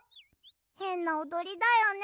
へんなおどりだよね。